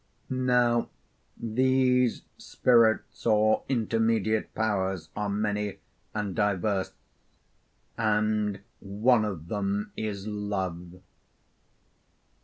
Now these spirits or intermediate powers are many and diverse, and one of them is Love.'